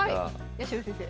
八代先生